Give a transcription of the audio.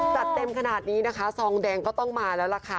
จัดเต็มขนาดนี้นะคะซองแดงก็ต้องมาแล้วล่ะค่ะ